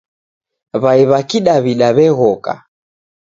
Wai wa kidawida weghoka